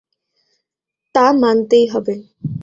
তা মানতেই হবে।